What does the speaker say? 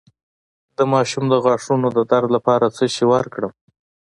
د ماشوم د غاښونو د درد لپاره څه شی ورکړم؟